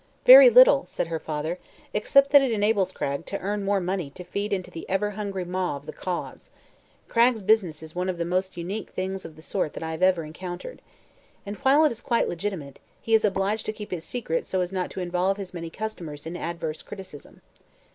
"Very little," said her father, "except that it enables Cragg to earn more money to feed into the ever hungry maw of the Cause. Cragg's 'business' is one of the most unique things of the sort that I have ever encountered. And, while it is quite legitimate, he is obliged to keep it secret so as not to involve his many customers in adverse criticism."